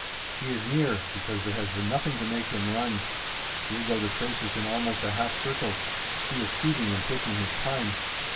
"He is near, because there has been nothing to make him run. Here go the traces in almost a half circle. He is feeding and taking his time."